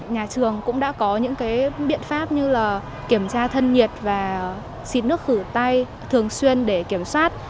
nhà trường cũng đã có những biện pháp như kiểm tra thân nhiệt và xin nước khử tay thường xuyên để kiểm soát